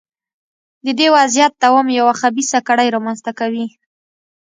د دې وضعیت دوام یوه خبیثه کړۍ رامنځته کوي.